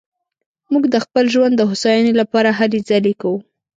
موږ د خپل ژوند د هوساينې لپاره هلې ځلې کوو